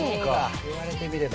言われてみれば。